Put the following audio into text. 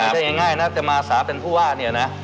ไม่ใช่ง่ายนะครับจะมาอาสาเป็นผู้ว่าเนี่ยนะ